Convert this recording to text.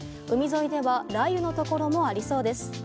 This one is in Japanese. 海沿いでは雷雨のところもありそうです。